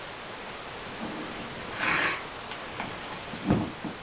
د خپل هیواد خدمت وکړئ.